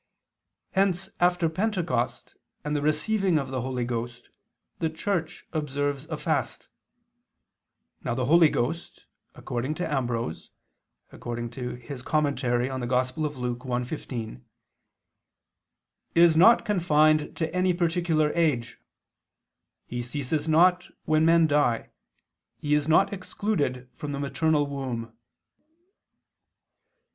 Hence after Pentecost and the receiving of the Holy Ghost the Church observes a fast. Now the Holy Ghost, according to Ambrose (Super Luc. 1:15), "is not confined to any particular age; He ceases not when men die, He is not excluded from the maternal womb."